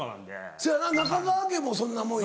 せやな中川家もそんなもんや。